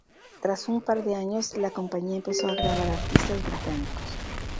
Tras un par de años, la compañía empezó a grabar artistas británicos.